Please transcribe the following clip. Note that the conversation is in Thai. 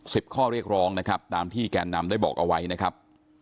ข้อเรียกร้องนะครับตามที่แกนนำได้บอกเอาไว้นะครับ